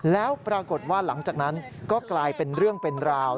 แล้วปรากฏว่าหลังจากนั้นก็กลายเป็นเรื่องเป็นราว